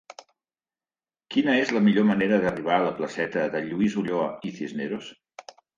Quina és la millor manera d'arribar a la placeta de Lluís Ulloa i Cisneros?